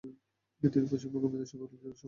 তিনি পশ্চিমবঙ্গ বিধানসভা ও লোকসভার প্রাক্তন সদস্য।